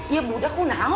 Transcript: ya muda aku tahu